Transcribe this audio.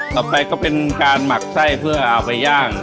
ต่อไปก็เป็นการหมักไส้เพื่อเอาไปย่าง